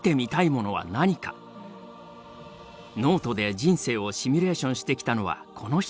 ノートで人生をシミュレーションしてきたのはこの人。